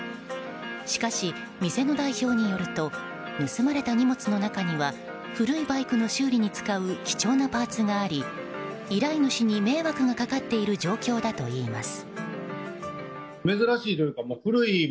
しかし、店の代表によると盗まれた荷物の中には古いバイクの修理に使う貴重なパーツがあり依頼主に迷惑がかかっている状況だといいます。